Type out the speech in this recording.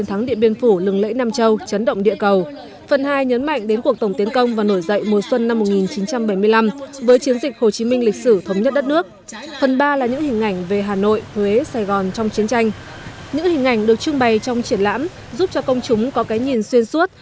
những hình ảnh được trưng bày trong triển lãm giúp cho công chúng có cái nhìn xuyên suốt